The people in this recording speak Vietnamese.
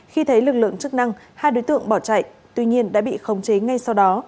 khi thấy lực lượng chức năng hai đối tượng bỏ chạy tuy nhiên đã bị khống chế ngay sau đó